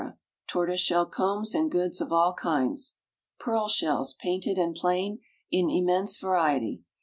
Tortoise shell Combs and Goods of all kinds. PEARL SHELLS, painted and plain, in immense variety.